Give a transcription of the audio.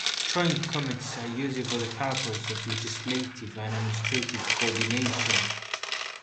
Joint Committees are used for purposes of legislative and administrative coordination.